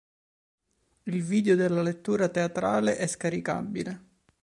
Il video della lettura teatrale è scaricabile